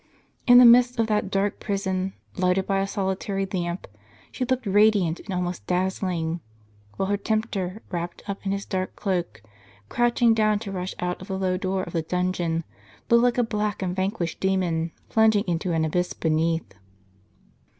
In the midst of that dark prison, lighted by a solitary lamp, she looked radiant and almost dazzling; while her tempter, wrapped up in his dark cloak, crouching down to rush out of the low door of the dungeon, looked like a black and van quished demon, plunging into an abyss beneath.